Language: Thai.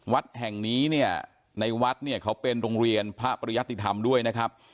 วัดแห่งนี้เนี่ยในวัดเนี่ยเขาเป็นโรงเรียนพระปริยติธรรมด้วยนะครับ